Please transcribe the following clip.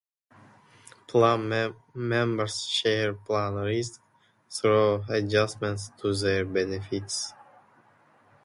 Plan members share plan risk through adjustments to their benefits.